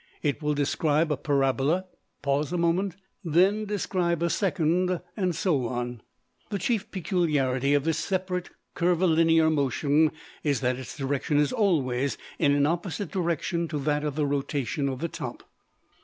It will describe a parabola, pause a moment, then describe a second, and so on. The chief peculiarity of this separate curvilinear motion is that its direction is always in an opposite direction to that of the rotation of the top.